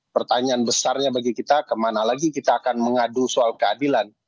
pertanyaan besarnya bagi kita kemana lagi kita akan mengadu soal keadilan